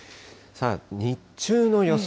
日中の予想